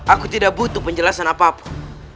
aku tidak butuh penjelasan apapun